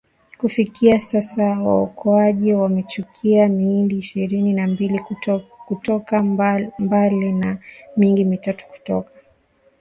Kufikia sasa waokoaji wamechukua miili ishirini na mbili kutoka Mbale na mingine mitatu kutoka Kapchorwa